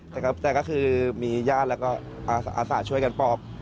แต่ก็คือมีญาติแล้วก็อาสาช่วยกันปอบ